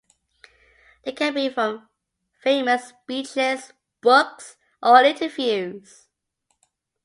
They can be from famous speeches, books, or interviews.